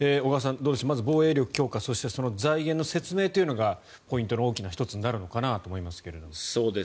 どうでしょうまず防衛力強化そしてその財源の説明というのがポイントの大きな１つになるのかなと思いますが。